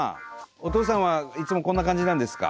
お父さんはいつもこんな感じなんですか？